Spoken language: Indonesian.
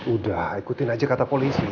udah ikutin aja kata polisi